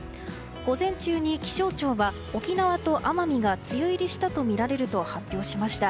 午前中に気象庁が沖縄と奄美が梅雨入りしたとみられると発表しました。